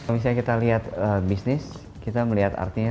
misalnya kita lihat bisnis kita melihat artinya